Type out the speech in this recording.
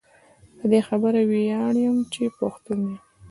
په دي خبره وياړم چي پښتون يم